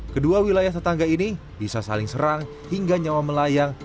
kedua wilayah tetangga ini bisa saling serang hingga nyawa melayang